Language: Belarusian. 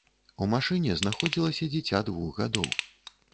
У машыне знаходзілася дзіця двух гадоў.